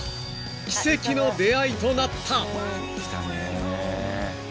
［奇跡の出会いとなった］